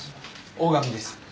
大上です。